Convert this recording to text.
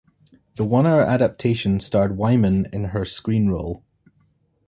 The one-hour adaptation starred Wyman in her screen role.